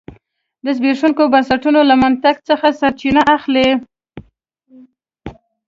د زبېښونکو بنسټونو له منطق څخه سرچینه اخلي.